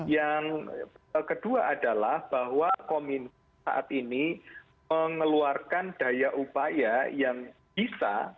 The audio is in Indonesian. yang kedua adalah bahwa kominfo saat ini mengeluarkan daya upaya yang bisa